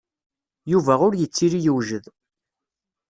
Yuba ur yettili yewjed.